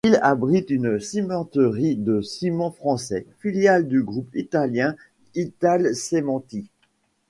La ville abrite une cimenterie de Ciments français, filiale du groupe italien Italcementi.